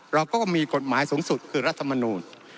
เราก็มีกฎหมายสูงสุดคือรัฐมนูล